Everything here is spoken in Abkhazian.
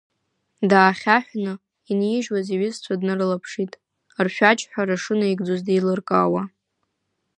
Даахьаҳәны, инижьуаз иҩызцәа днарылаԥшит, ршәаџьҳәара шынаигӡоз деилыркаауа.